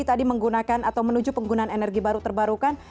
tadi menggunakan atau menuju penggunaan energi baru terbarukan